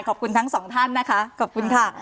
ขอบคุณทั้งสองท่านนะคะขอบคุณค่ะ